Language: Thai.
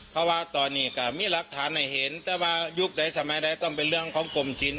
เพราะว่าตอนนี้ก็มีหลักฐานให้เห็นแต่ว่ายุคใดสมัยใดต้องเป็นเรื่องของกรมศิลป